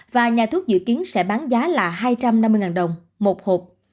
và nhà thuốc dự kiến sẽ bán giá là hai trăm năm mươi đồng một hộp